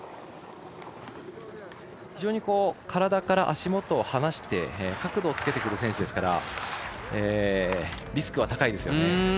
体から足元を離して角度をつけてくる選手ですからリスクは高いですよね。